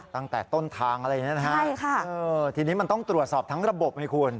ตั้งแต่ต้นทางอะไรอย่างนี้นะฮะใช่ค่ะทีนี้มันต้องตรวจสอบทั้งระบบให้คุณ